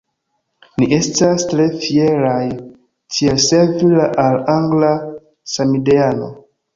Ni estas tre fieraj tiel servi al angla samideano.